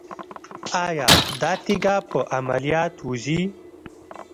ایا دا تیږه په عملیات وځي؟